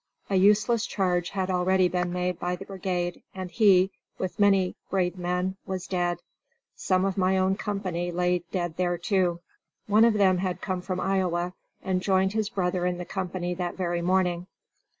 A useless charge had already been made by the brigade and he, with many brave men, was dead. Some of my own company lay dead there too. One of them had come from Iowa and joined his brother in the company that very morning.